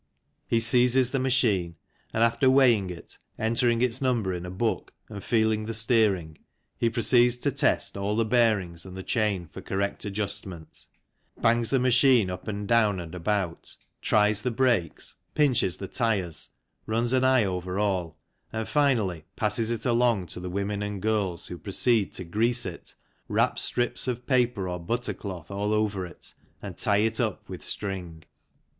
He seizes the machine and after weighing it, entering its number in a book, and feeling the steering, he proceeds to test all the bearings and the chain for correct adjustment, bangs the machine up 44 THE CYCLE INDUSTRY and down and about, tries the brakes, pinches the tyres, runs an eye over all, and finally passes it along to the women and girls who proceed to grease it, wrap strips of paper or butter cloth all over it and tie it up with string.